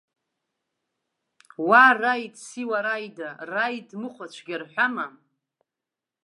Уа, раид, сиуама, раид, мыхәацәгьа рҳәама?